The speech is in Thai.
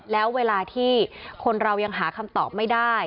แล้วเวลาที่คนเรายังหาคำตอบไม่ได้